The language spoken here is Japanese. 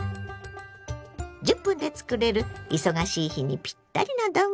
１０分で作れる忙しい日にピッタリの丼。